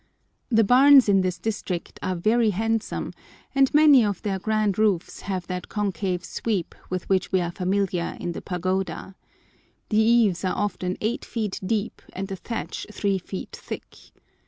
The barns in this district are very handsome, and many of their grand roofs have that concave sweep with which we are familiar in the pagoda. The eaves are often eight feet deep, and the thatch three feet thick.